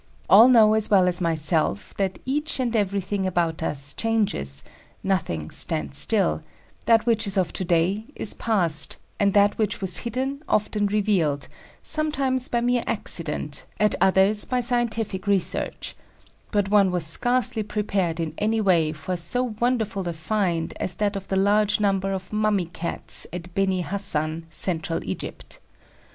All know as well as myself that each and everything about us changes, nothing stands still; that which is of to day is past, and that which was hidden often revealed, sometimes by mere accident, at others by scientific research; but one was scarcely prepared in any way for so wonderful "a find" as that of the large number of "mummy" Cats at Beni Hassan, Central Egypt.